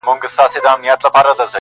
پلار چوپتيا کي مات ښکاري-